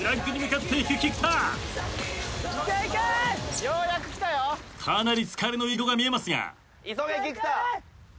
かなり疲れの色が見えますが。